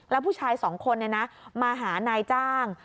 แล้วผู้ชายสองคนมาหานายจ้าง